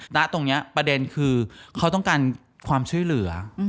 ณตรงนี้ประเด็นคือเขาต้องการความช่วยเหลือ